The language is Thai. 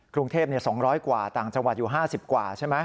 กรุงเทพ๒๐๐กว่าต่างจังหวัดอยู่๕๐กว่าใช่ไหม